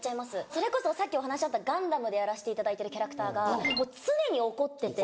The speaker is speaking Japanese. それこそさっきお話あった『ガンダム』でやらせていただいてるキャラクターが常に怒ってて。